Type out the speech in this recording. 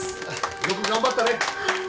よく頑張ったね！